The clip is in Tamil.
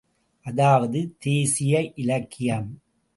அதாவது தேசிய இலக்கியம்.